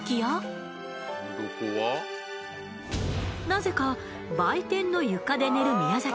なぜか売店の床で寝る宮崎さん。